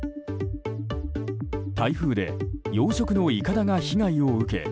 台風で養殖のいかだが被害を受け